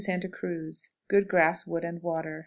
Santa Cruz. Good grass, wood, and water.